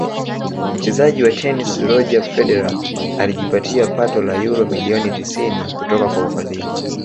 mchezaji wa tenisi Roger Federer alijipatia pato la uro milioni tisini kutoka kwa ufadhili